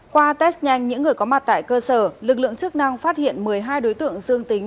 qua test nhanh những người có mặt tại cơ sở lực lượng chức năng phát hiện một mươi hai đối tượng dương tính